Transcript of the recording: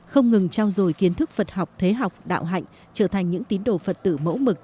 không ngừng trao dồi kiến thức phật học thế học đạo hạnh trở thành những tín đồ phật tử mẫu mực